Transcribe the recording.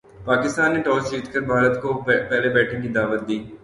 پاکستان نے ٹاس جیت کر بھارت کو پہلے بیٹنگ کی دعوت دی۔